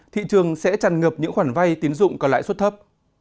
thị trường sẽ tràn ngập những khoản vay tín dụng có lãi suất thấp